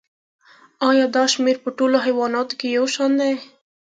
ایا دا شمیر په ټولو حیواناتو کې یو شان دی